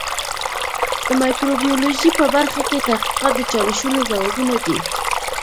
د مایکروبیولوژي په برخه کې تحقیقات د چالشونو ځوابونه دي.